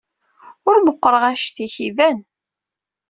Ur meqqreɣ annect-ik, iban.